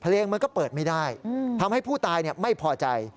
มันก็เปิดไม่ได้ทำให้ผู้ตายไม่พอใจ